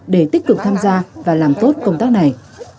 để tích cực tham gia và làm tốt công tác này